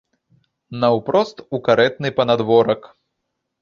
Наўпрост у карэтны панадворак.